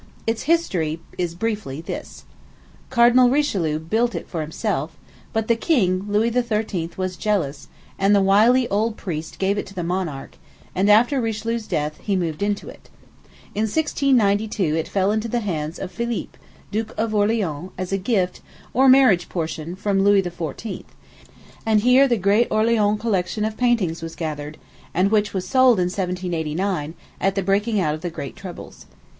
Its history is briefly this: Cardinal Richelieu built it for himself; but the king, Louis XIII., was jealous, and the wily old priest gave it to the monarch, and, after Richelieu's death, he moved into it. In 1692, it fell into the hands of Philippe, Duke of Orleans, as a gift, or marriage portion, from Louis XIV., and here the great Orleans collection of paintings was gathered, and which was sold in 1789, at the breaking out of the great troubles.